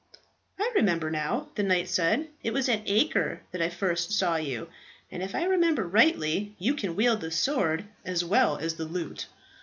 "I remember now," the knight said. "It was at Acre that I first saw you, and if I remember rightly you can wield the sword as well as the lute."